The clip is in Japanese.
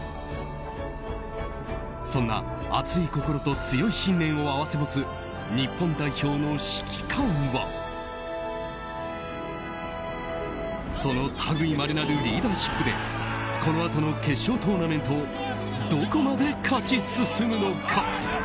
そんな熱い心と強い信念を併せ持つ日本代表の指揮官はその類いまれなるリーダーシップでこのあとの決勝トーナメントをどこまで勝ち進むのか。